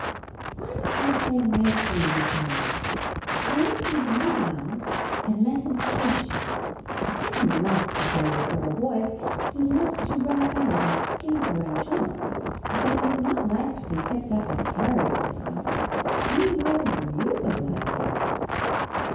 Why don't you play nicely with him? 4 CHARLIE Why don't you run around and let him chase you ? A kitten loves to play with little boys ; he hkes to run about and scamper and jump, but he does not like to be picked up and carried all the time, any more than you would like it."